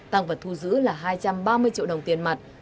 tăng vật thu giữ là hai trăm ba mươi triệu đồng tiền mặt